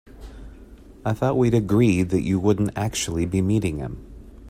I thought we'd agreed that you wouldn't actually be meeting him?